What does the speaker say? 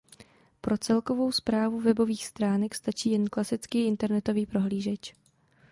Pro celkovou správu webových stránek stačí jen klasický internetový prohlížeč.